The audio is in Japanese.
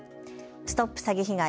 ＳＴＯＰ詐欺被害！